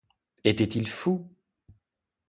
Était-il fou?